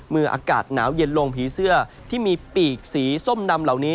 อากาศหนาวเย็นลงผีเสื้อที่มีปีกสีส้มดำเหล่านี้